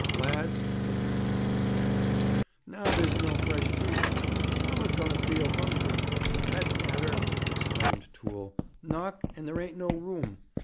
'Lads,' said a man named Dabb, 'now there's no fresh beef left, I'm a going to feel hungry.' 'That's nater,' exclaimed Toole; 'knock, and there ain't no room.